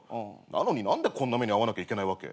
なのに何でこんな目に遭わなきゃいけないわけ。